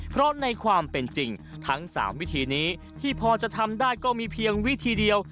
เพราะในความเป็นจริงทั้ง๓วิธีนี้ที่พอจะทำได้ก็มีเพียงวิธีเดียว